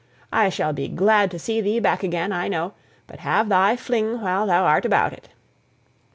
I shall be glad to see thee back again, I know; but have thy fling while thou'rt about it."